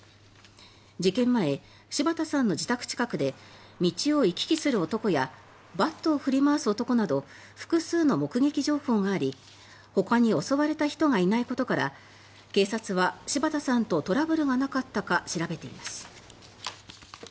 事件前、柴田さんの自宅近くで道を行き来する男やバットを振り回す男など複数の目撃情報がありほかに襲われた人がいないことから警察は、柴田さんとトラブルがなかったか調べています。